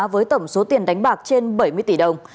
với tổng số tiền đánh bạc trên bảy mươi tỷ đồng